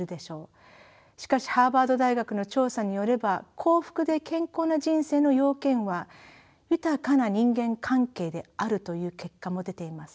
しかしハーバード大学の調査によれば幸福で健康な人生の要件は豊かな人間関係であるという結果も出ています。